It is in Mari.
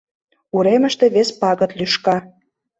Уремыште вес пагыт лӱшка.